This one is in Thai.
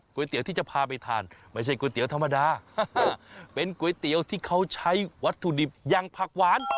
เตี๋ยวที่จะพาไปทานไม่ใช่ก๋วยเตี๋ยวธรรมดาเป็นก๋วยเตี๋ยวที่เขาใช้วัตถุดิบอย่างผักหวาน